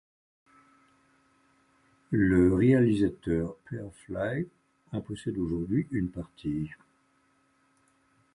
Le réalisateur Per Fly en possède aujourd'hui une partie.